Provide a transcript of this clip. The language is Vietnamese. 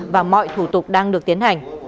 và mọi thủ tục đang được thực hiện